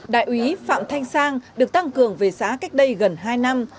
đại úy phạm thanh sang được tăng cường về xã cách đây gần hai năm